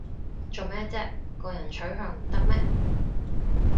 做咩唧個人取向唔得咩